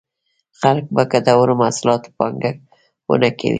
خلک په ګټورو محصولاتو پانګونه کوي.